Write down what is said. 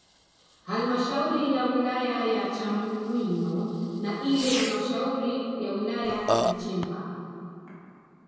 Halmashauri ya Wilaya ya Chamwino na ile halmashauri ya wilaya ya Chemba